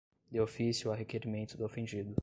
De ofício ou a requerimento do ofendido